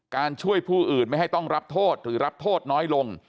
ช่วยผู้อื่นไม่ให้ต้องรับโทษหรือรับโทษน้อยลง